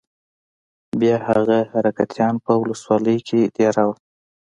بيا هماغه حرکتيان په ولسوالۍ کښې دېره وو.